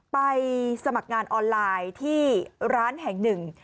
ไปสมัครงานออนไลน์ที่ร้านแห่งหนึ่ง